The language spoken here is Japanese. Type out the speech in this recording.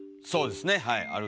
そうですねはい。